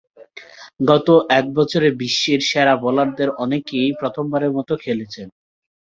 গত এক বছরে বিশ্বের সেরা বোলারদের অনেককেই প্রথমবারের মতো খেলেছেন।